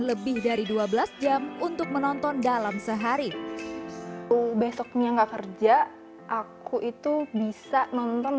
lebih dari dua belas jam untuk menonton dalam sehari besoknya enggak kerja aku itu bisa nonton